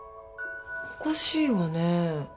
おかしいわねぇ。